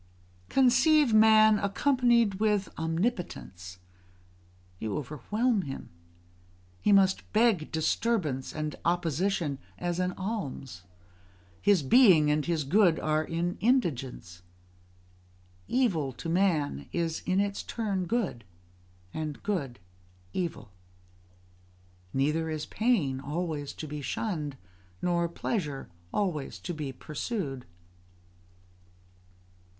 Conceive man accompanied with omnipotence: you overwhelm him; he must beg disturbance and opposition as an alms: his being and his good are in indigence. Evil to man is in its turn good, and good evil. Neither is pain always to be shunned, nor pleasure always to be pursued.